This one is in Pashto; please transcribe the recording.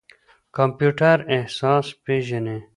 کمپيوټر احساس پېژني.